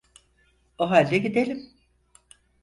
O halde gidelim.